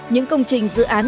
những công trình dự án